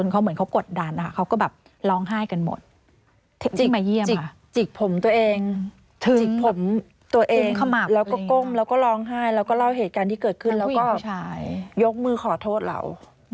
เคยเล่าเหตุการณ์ที่เกิดขึ้นแล้วก็ยกมือขอโทษเรา